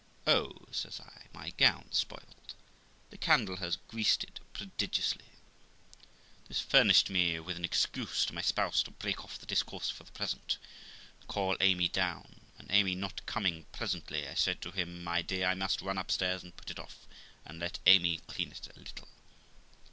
' Oh !' says I, ' my gown's spoiled; the candle has greased it prodigiously.' This furnished me with an excuse to my spouse to break off the discourse for the present, and call Amy down; and Amy not coming presently, I said to him, 'My dear, I must run upstairs and put it off, and let Amy clean it a little.'